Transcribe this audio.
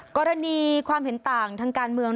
กรณีความเห็นต่างทางการเมือง